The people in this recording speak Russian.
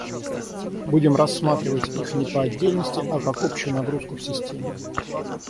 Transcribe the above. Будем рассматривать их не по отдельности, а как общую нагрузку в системе